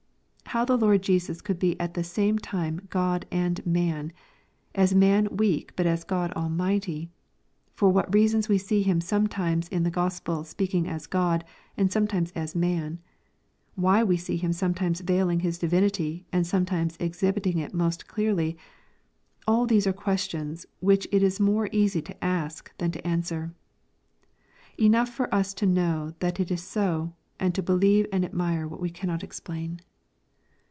How the Lord Jesus could be at the same time God and man, as man weak but as God almighty,— for what reasons we see Him sometimes in the Gos pels speaking as God, and sometimes as man — why we see Him sometimes veiling His divinity, and sometimes exhibiting it most clearly, — all these are questions which it is more easy to ask than to answer. Enough for us to know that it is so, and to believe and admire what we cannot explain.